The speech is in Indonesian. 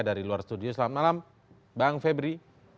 dari luar studio selamat malam bang febri